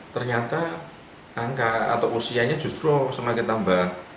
ternyata angka atau usianya justru semakin tambah